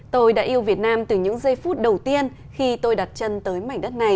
tôi đã yêu việt nam từ những giây phút đầu tiên khi tôi đặt chân tới mảnh đất này